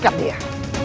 aku akan menyerah